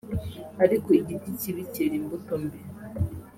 ariko igiti kibi cyera imbuto mbi